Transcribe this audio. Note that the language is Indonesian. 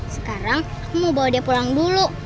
sekarang aku mau bawa dia pulang dulu